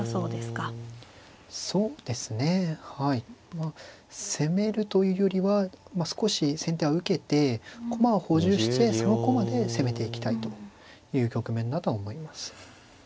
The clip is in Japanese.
まあ攻めるというよりは少し先手は受けて駒を補充してその駒で攻めていきたいという局面だと思います。